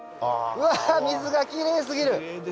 うわ水がきれいすぎる！